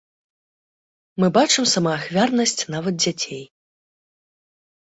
Мы бачым самаахвярнасць нават дзяцей.